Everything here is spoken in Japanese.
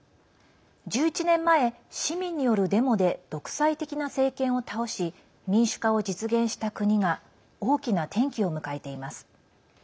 １１年前、市民によるデモで独裁的な政権を倒し民主化を実現した国が大きな転機を迎えています。